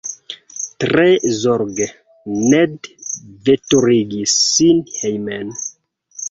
Tre zorge Ned veturigis sin hejmen.